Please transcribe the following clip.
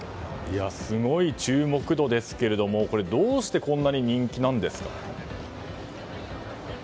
すごい注目度ですがこれ、どうしてこんなに人気なんですか？